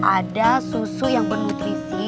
ada susu yang bernutrisi